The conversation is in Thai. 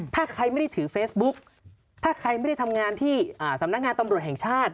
ถ้าใครไม่ได้ถือเฟซบุ๊กถ้าใครไม่ได้ทำงานที่สำนักงานตำรวจแห่งชาติ